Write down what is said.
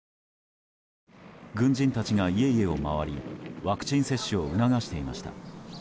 軍人たちが家々を回りワクチン接種を促していました。